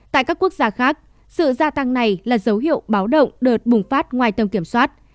tại các quốc gia khác sự gia tăng này là dấu hiệu báo động đợt bùng phát ngoài tầm kiểm soát